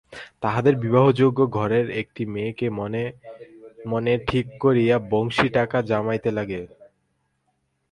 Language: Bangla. তাহাদের বিবাহযোগ্য ঘরের একটি মেয়েকে মনে মনে ঠিক করিয়া বংশী টাকা জমাইতে লাগিল।